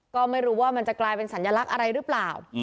ก็ไม่รู้ว่ามันจะกลายเป็นสัญลักษณ์อะไรหรือเปล่า